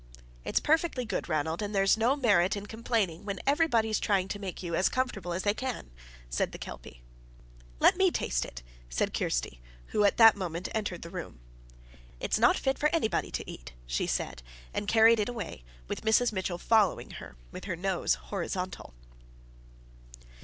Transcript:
"It's perfectly good, Ranald, and there's no merit in complaining when everybody's trying to make you as comfortable as they can," said the Kelpie. "Let me taste it," said Kirsty, who that moment entered the room. "It's not fit for anybody to eat," she said, and carried it away, Mrs. Mitchell following her with her nose horizontal.